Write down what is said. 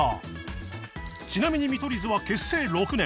ちなみに見取り図は結成６年